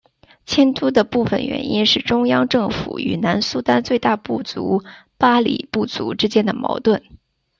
迁都的部分原因是中央政府与南苏丹最大部族巴里部族之间的矛盾。